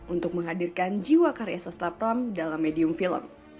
untuk menghadirkan jiwa karya sesta pram dalam medium film